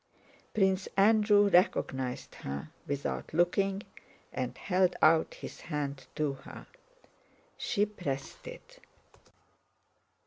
Prince Andrew recognized her without looking and held out his hand to her. She pressed it.